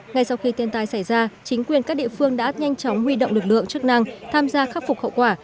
ngay sau khi thiên tai xảy ra chính quyền các địa phương đã nhanh chóng huy động lực lượng chức năng tham gia khắc phục hậu quả